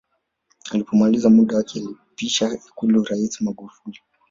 alipomaliza muda wake alimpisha ikulu raisi magufuli